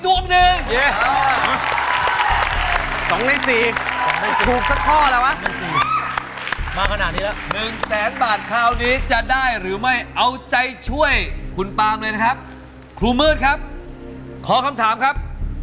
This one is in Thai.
ครูมือดครับขอคำถามครับ